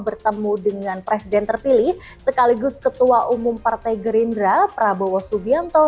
bertemu dengan presiden terpilih sekaligus ketua umum partai gerindra prabowo subianto